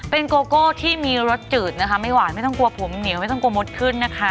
เป็นโกโก้ที่มีรสจืดนะคะไม่หวานไม่ต้องกลัวผมเหนียวไม่ต้องกลัวมดขึ้นนะคะ